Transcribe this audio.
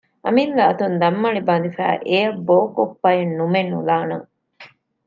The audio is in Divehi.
އަމިއްލަ އަތުން ދަންމަޅި ބަނދެފައި އެއަށް ބޯކޮއްޕައެއް ނުމެ ނުލާނަން